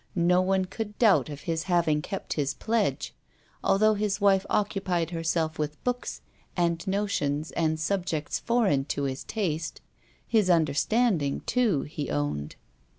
No one could doubt of his having kept his pledge, although his wife occupied herself with books and notions and subjects foreign to his taste his understanding, too, he owned.